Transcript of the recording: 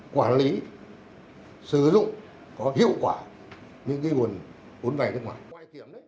quản lý sử dụng có hiệu quả những cái quần quân vay nước ngoài